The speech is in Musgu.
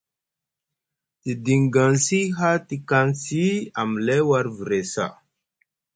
Te diŋgaŋsi haa te kaŋsi amlay war vre saa.